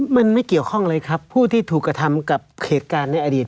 มันไม่เกี่ยวข้องเลยครับผู้ที่ถูกกระทำกับเหตุการณ์ในอดีต